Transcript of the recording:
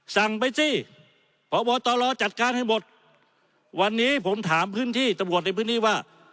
สั่งไปสิพบตรจัดการให้หมดวันนี้ผมถามพื้นที่ตำรวจในพื้นที่ว่า